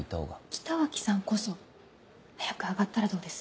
北脇さんこそ早く上がったらどうです？